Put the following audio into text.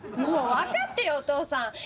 もう分かってよお父さん！